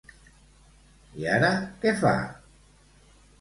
I ara, què fa?